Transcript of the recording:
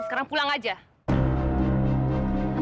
sekarang pulang aja